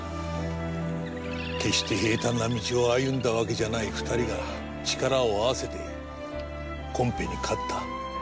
決して平坦な道を歩んだわけじゃない２人が力を合わせてコンペに勝った。